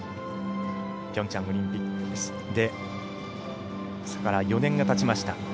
ピョンチャンオリンピックから４年がたちました。